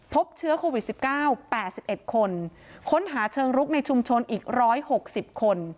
พบเชื้อโควิด๑๙๘๑คนค้นหาเชิงรุกในชุมชนอีก๑๖๐คน